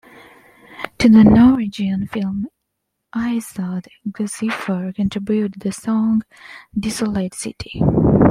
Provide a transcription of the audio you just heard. To the Norwegian Film Izzat Gluecifer contributed the Song "Desolate City".